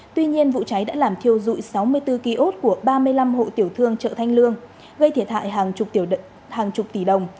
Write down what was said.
tuy nhiên vụ cháy đã làm thiêu dụi sáu mươi bốn kiosk của ba mươi năm hộ tiểu thương chợ thanh lương gây thiệt hại hàng chục hàng chục tỷ đồng